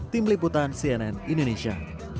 tim liputan cnn indonesia